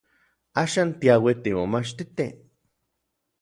Axan tiauij timomachtitij.